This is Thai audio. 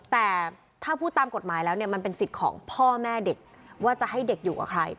แต่ถ้าพูดตามกฎหมายแล้วเนี่ยมันเป็นสิทธิ์ของพ่อแม่เด็กว่าจะให้เด็กอยู่กับใคร